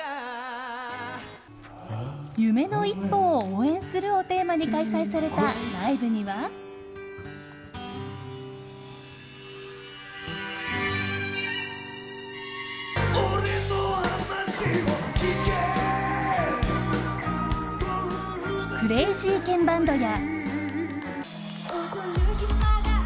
「夢の一歩を応援する」をテーマに開催されたライブには。クレイジーケンバンドや。